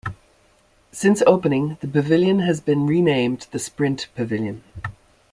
Since opening the Pavilion has been renamed the Sprint Pavilion.